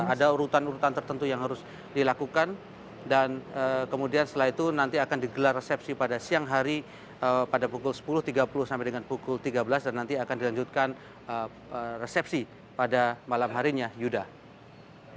ada urutan urutan tertentu yang harus dilakukan dan kemudian setelah itu nanti akan digelar resepsi pada siang hari pada pukul sepuluh tiga puluh sampai dengan pukul tiga belas dan nanti akan dilanjutkan resepsi pada malam harinya yuda